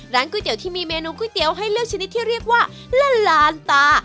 ก๋วยเตี๋ยที่มีเมนูก๋วยเตี๋ยวให้เลือกชนิดที่เรียกว่าละลานตา